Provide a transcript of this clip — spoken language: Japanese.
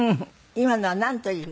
今のはなんという？